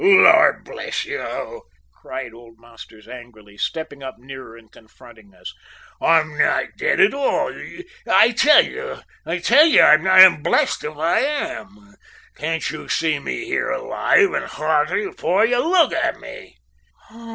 "Lord bless you!" cried old Masters angrily, stepping up nearer and confronting us, "I'm not dead at all, I tell you I tell you I'm not I'm blessed if I am. Can't you see me here alive and hearty afore you? Look at me."